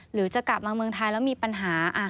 หรือจะกลับมาเมืองไทยแล้วมีปัญหา